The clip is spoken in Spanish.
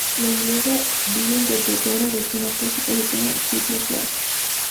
La inglesa Dido interpretó una versión acústica de su tema "White flag".